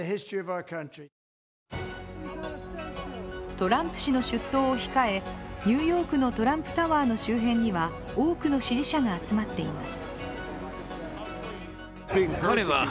トランプ氏の出頭を控え、ニューヨークのトランプタワーの周辺には多くの支持者が集まっています。